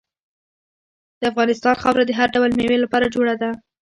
د افغانستان خاوره د هر ډول میوې لپاره جوړه ده.